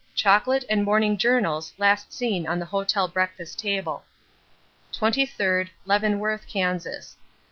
Chocolate and morning journals last seen on the hotel breakfast table. 23rd, Leavenworth (Kansas).